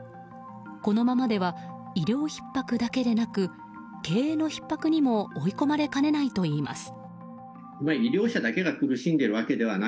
このままでは医療ひっ迫だけでなく経営のひっ迫にも追い込まれかねないといいます。